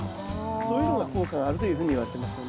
そういうのが効果があるというふうにいわれてますよね。